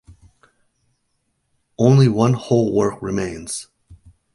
Only one whole work remains.